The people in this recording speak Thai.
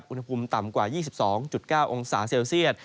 อุณหภูมิต่ำกว่า๒๒๙องศาเซลเซียต